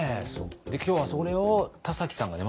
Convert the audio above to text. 今日はそれを田崎さんがね